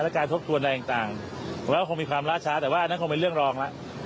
และการทบทวนอะไรต่างแล้วคงมีความล่าช้าแต่ว่าอันนั้นคงเป็นเรื่องรองแล้ว